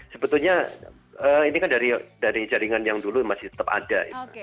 sebetulnya ini kan dari jaringan yang dulu masih tetap ada